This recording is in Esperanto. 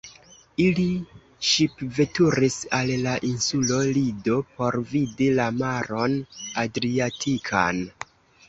Ili ŝipveturis al la insulo Lido por vidi la maron Adriatikan.